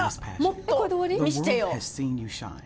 もっと見せてよ。